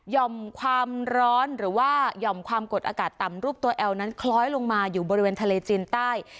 ่อมความร้อนหรือว่าหย่อมความกดอากาศต่ำรูปตัวแอลนั้นคล้อยลงมาอยู่บริเวณทะเลจีนใต้